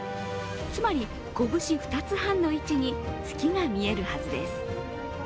つまり拳２つ半の位置に月が見えるはずです。